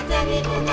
siluman ular tahan